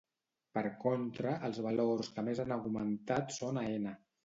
Per contra, els valors que més han augmentat són Aena.